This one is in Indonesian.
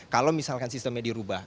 kalau misalkan sistemnya dirubah